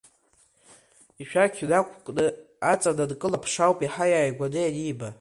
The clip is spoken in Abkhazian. Ишәақь нақәкны аҵа данкылаԥш ауп еиҳа иааигәаны ианиба.